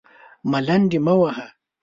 _ملنډې مه وهه!